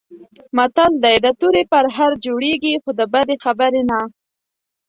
متل دی: د تورې پرهر جوړېږي، خو د بدې خبرې نه.